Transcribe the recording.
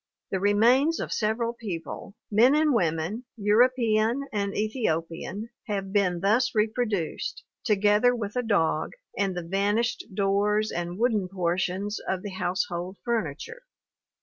The remains of several people, men and women, European and Ethiopian, have been thus reproduced, together with a dog (see PL VIII) and the vanished doors and wooden portions of the household furniture.